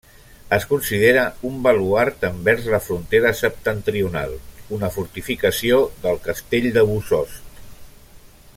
Es considera un baluard envers la frontera septentrional, una fortificació del castell de Bossòst.